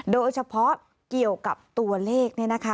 โดยเฉพาะเกี่ยวกับตัวเลข